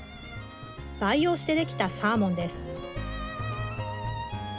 培養してできたサーモンです。